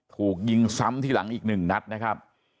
ถูกยิงซ้ำที่หลังอีก๑นัดนะครับ